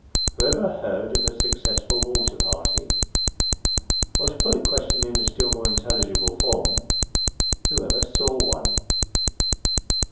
Who ever heard of a successful water party ? or to put the question in a still more intelligible form, who ever saw one?